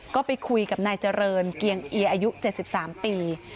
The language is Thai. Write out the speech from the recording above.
ก็ไปคุยกับนายเจริญเกียงเอียอายุ๗๓ปี